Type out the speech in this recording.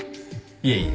いえいえ。